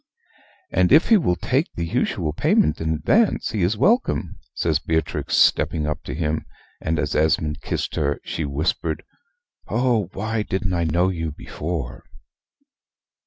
"And if he will take the usual payment in advance, he is welcome," says Beatrix, stepping up to him; and, as Esmond kissed her, she whispered, "Oh, why didn't I know you before?"